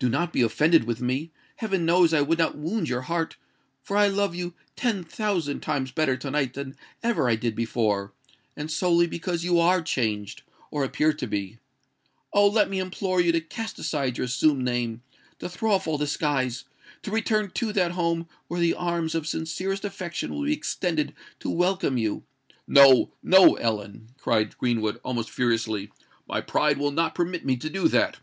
Do not be offended with me:—heaven knows I would not wound your heart; for I love you ten thousand times better to night than ever I did before—and solely because you are changed, or appear to be. Oh! let me implore you to cast aside your assumed name—to throw off all disguise—to return to that home where the arms of sincerest affection will be extended to welcome you——" "No—no, Ellen!" cried Greenwood, almost furiously: "my pride will not permit me to do that!